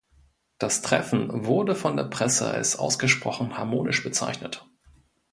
Das Treffen wurde von der Presse als ausgesprochen harmonisch bezeichnet.